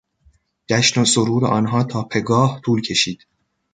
جشن و سرور آنها تا پگاه طول کشید.